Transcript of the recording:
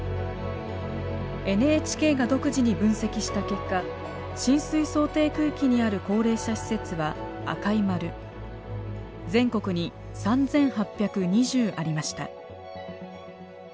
ＮＨＫが独自に分析した結果浸水想定区域にある高齢者施設は赤い丸全国に３，８２０ありました。